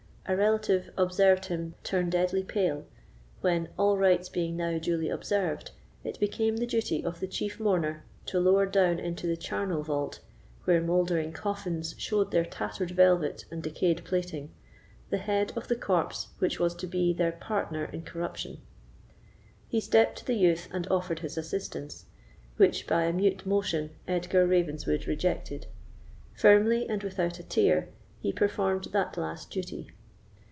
A relative observed him turn deadly pale, when, all rites being now duly observed, it became the duty of the chief mourner to lower down into the charnel vault, where mouldering coffins showed their tattered velvet and decayed plating, the head of the corpse which was to be their partner in corruption. He stept to the youth and offered his assistance, which, by a mute motion, Edgar Ravenswood rejected. Firmly, and without a tear, he performed that last duty.